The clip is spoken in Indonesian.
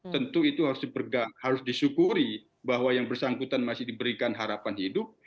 tentu itu harus disyukuri bahwa yang bersangkutan masih diberikan harapan hidup